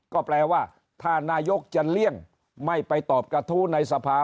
ก็แปลว่าถ้านายกจะเลี่ยงไม่ไปตอบกระทู้ในสภา